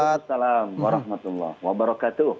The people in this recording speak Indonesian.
waalaikumsalam warahmatullahi wabarakatuh